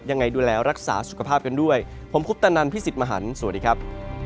ยังไงดูแลรักษาสุขภาพกันด้วยผมคุปตะนันพี่สิทธิ์มหันฯสวัสดีครับ